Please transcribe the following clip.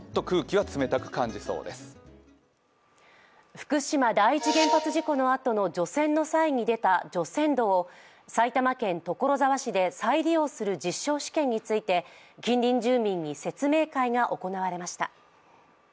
福島第一原発事故のあとの除染の際に出た除染土を埼玉県所沢市で再利用する実証試験について近隣住民に説明会が行われました。